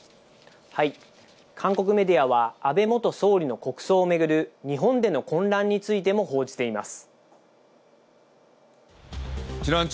韓国メディアは、安倍元総理の国葬を巡る、日本での混乱についても報じています。